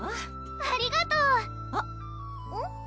ありがとうあっうん？